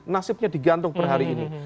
nasibnya digantung per hari ini